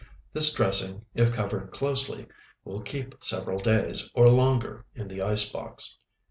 This dressing, if covered closely, will keep several days or longer in the ice box.